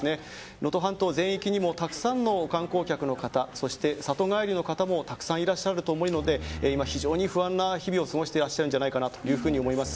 能登半島全域にもたくさんの観光客の方そして里帰りの方もたくさんいらっしゃると思いますので非常に不安の日々を過ごしていらっしゃるんじゃないかと思います。